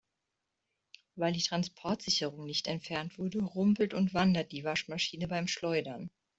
Weil die Transportsicherung nicht entfernt wurde, rumpelt und wandert die Waschmaschine beim Schleudern.